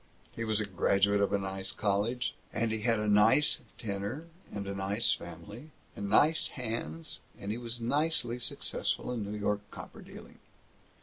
He was a graduate of a nice college, and he had a nice tenor and a nice family and nice hands and he was nicely successful in New York copper dealing.